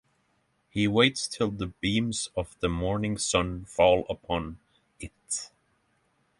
He waits till the beams of the morning sun fall upon it.